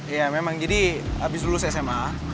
ya memang jadi abis lulus sma